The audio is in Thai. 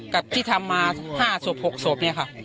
กับที่ทำมา๕ศพ๖ศพเนี่ยค่ะ